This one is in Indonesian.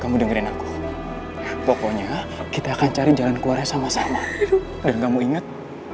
kamu dan giltin aku pokoknya kita akan cari jalan keberanian sama sama atau kamu inget